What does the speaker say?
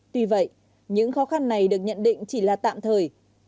tuy vậy những khó khăn này được nhận định chỉ là tạm thời